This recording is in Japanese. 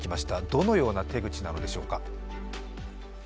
どのような手口なのでしょうか。